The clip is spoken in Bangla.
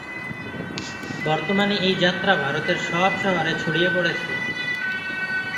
বর্তমানে এই যাত্রা ভারতের সব শহরে ছড়িয়ে পড়েছে।